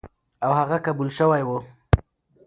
او هغه قبول شوی و،